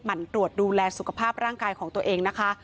มันตรวจดูแลสุขภาพร่างกายของตัวเองนะคะ